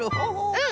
うん！